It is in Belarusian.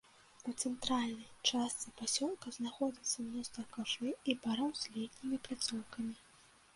У цэнтральнай частцы пасёлка знаходзіцца мноства кафэ і бараў з летнімі пляцоўкамі.